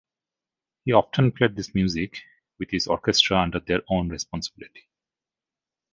He often played this music with his orchestra under their own responsibility.